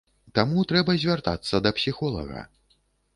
Таму трэба звяртацца да псіхолага.